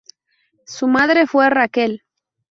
Su madre fue Raquel.